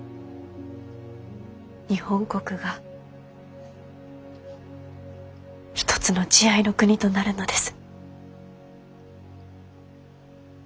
日本国が一つの慈愛の国となるのです。